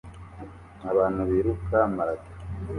Abantu Biruka Marato